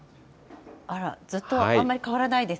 あら、ずっとあんまり変わらないですか。